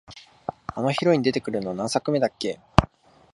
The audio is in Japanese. あのヒロイン出てくるの、何作目だっけ？